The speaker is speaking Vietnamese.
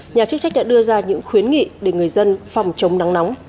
nhà chức trách đã đưa ra những khuyến nghị để người dân phòng chống nắng nóng